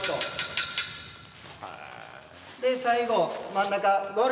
で最後真ん中。